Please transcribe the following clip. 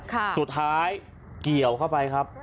สุดท้ายเกี่ยวเข้าไปครับ